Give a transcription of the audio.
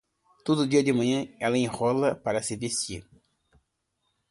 Todo dia de manhã ele enrola para se vestir.